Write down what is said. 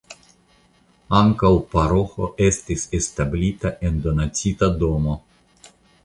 Ankaŭ paroĥo estis establita en doncita domo.